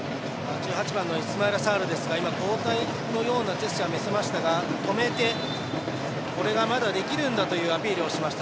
１８番のイスマイラ・サールですが交代のようなジェスチャーを見せましたが俺がまだできるんだというアピールをしました。